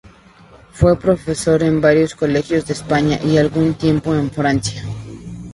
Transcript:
Fue profesor en varios colegios de España y algún tiempo en Francia.